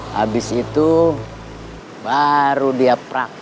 habis itu baru dia praktik